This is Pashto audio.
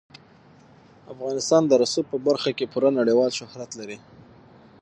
افغانستان د رسوب په برخه کې پوره نړیوال شهرت لري.